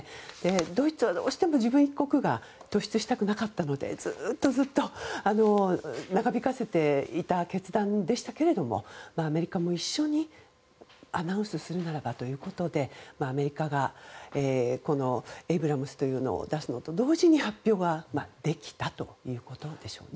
ドイツはどうしても自分一国が突出したくなかったのでずっとずっと長引かせていた決断でしたけどアメリカも一緒にアナウンスするならばということでアメリカがエイブラムスを出すのと同時に発表ができたということでしょうね。